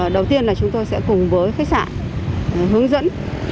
đầu tiên là chúng tôi sẽ cùng với khách sạn hướng dẫn